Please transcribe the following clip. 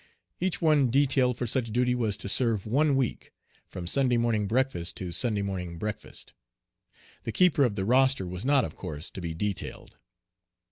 Each one detailed for such duty was to serve one week from Sunday morning breakfast to Sunday morning breakfast. The keeper of the roster was not of course to be detailed.